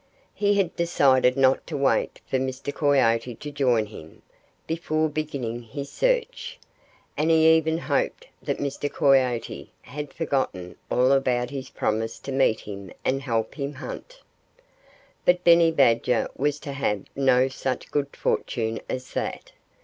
He had decided not to wait for Mr. Coyote to join him, before beginning his search. And he even hoped that Mr. Coyote had forgotten all about his promise to meet him and help him hunt. But Benny Badger was to have no such good fortune as that.